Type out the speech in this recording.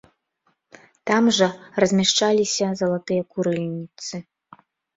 Там жа размяшчаліся залатыя курыльніцы.